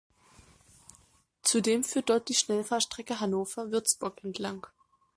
Zudem führt dort die Schnellfahrstrecke Hannover–Würzburg entlang.